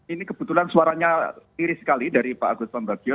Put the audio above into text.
ini kebetulan suaranya iri sekali dari pak agus pembagio